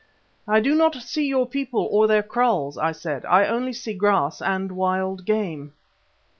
"I do not see your people or their kraals," I said; "I only see grass and wild game."